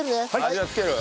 味は付ける。